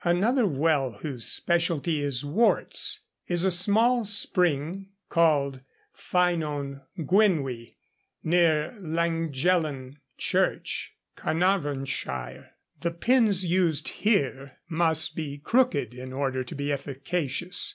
Another well whose specialty is warts is a small spring called Ffynon Gwynwy, near Llangelynin church, Carnarvonshire. The pins used here must be crooked in order to be efficacious.